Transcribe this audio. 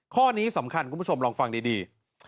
ข้อนี้สำคัญคุณผู้ชมลองฟังดี